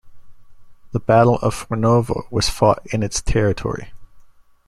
The Battle of Fornovo was fought in its territory.